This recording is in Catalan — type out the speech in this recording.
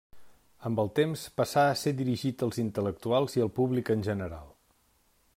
Amb el temps passà a ser dirigit als intel·lectuals i el públic en general.